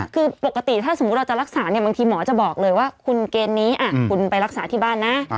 คือปกติถ้าสมมุติเราจะรักษาเนี่ยบางทีหมอจะบอกเลยว่าคุณเกณฑ์นี้คุณไปรักษาที่บ้านนะ